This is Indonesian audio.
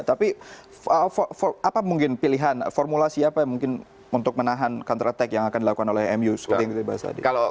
tapi apa mungkin pilihan formulasi apa mungkin untuk menahan counter attack yang akan dilakukan oleh mu seperti yang kita bahas tadi